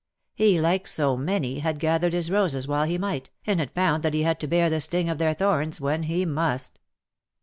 He, like so many, had gathered his roses while he might, and had found that he had to bear the sting of their thorns when he must.